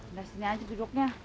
udah sini aja duduknya